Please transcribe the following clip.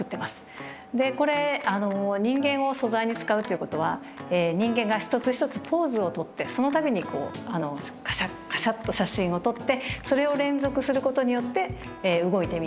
これ人間を素材に使うっていうことは人間が一つ一つポーズをとってその度にカシャッカシャッと写真を撮ってそれを連続することによって動いて見える。